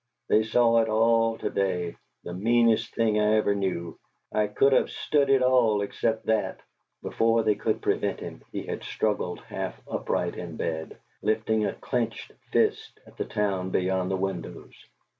They saw it all to day the meanest thing I ever knew! I could of stood it all except that!" Before they could prevent him he had struggled half upright in bed, lifting a clinched fist at the town beyond the windows.